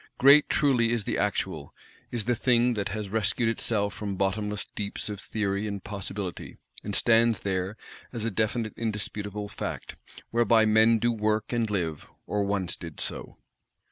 Great truly is the Actual; is the Thing that has rescued itself from bottomless deeps of theory and possibility, and stands there as a definite indisputable Fact, whereby men do work and live, or once did so.